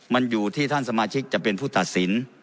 มันอยู่ที่ท่านสมาชิกจะเป็นผู้ตัดสิน